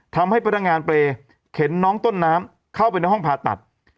ทำให้พนักงานเปรย์เข็นน้องต้นน้ำเข้าไปในห้องผ่าตัด